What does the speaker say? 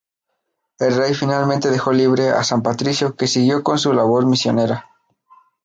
El rey finalmente dejó libre a San Patricio que siguió con su labor misionera.